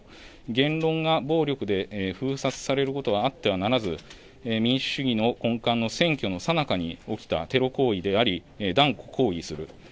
言論が暴力で封殺されることはあってはならず、民主主義の根幹の選挙のさなかに起きたテロ行為であり、断固抗議する。